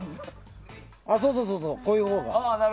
そうそうそう、こういうほうが。